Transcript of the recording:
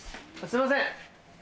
すいません